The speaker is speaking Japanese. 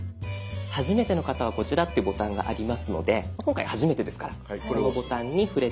「はじめての方はこちら」っていうボタンがありますので今回はじめてですからそのボタンに触れてみて下さい。